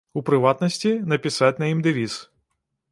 У прыватнасці, напісаць на ім дэвіз.